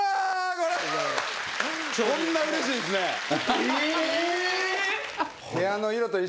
これこんなうれしいんですねええー？